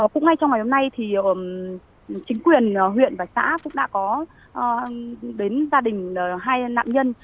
cũng ngay trong ngày hôm nay thì chính quyền huyện và xã cũng đã có đến gia đình hai nạn nhân